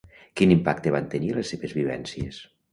Quin impacte van tenir les seves vivències?